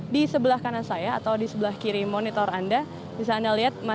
di sebelah kanan saya atau di sebelah kiri monitor anda